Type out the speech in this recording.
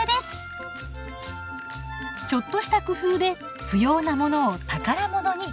ちょっとした工夫で不要なものを宝物に。